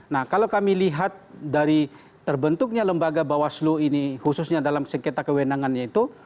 nah kalau kami lihat dari terbentuknya lembaga bawaslu ini khususnya dalam sengketa kewenangannya itu